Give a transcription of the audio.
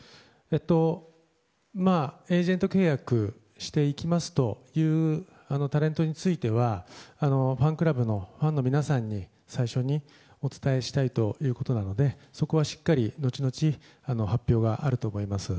エージェント契約していきますというタレントについてはファンクラブのファンの皆さんに最初にお伝えしたいということなのでそこはしっかり後々発表があると思います。